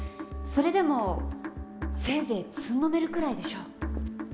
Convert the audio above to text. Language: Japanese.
それでもせいぜいつんのめるくらいでしょう。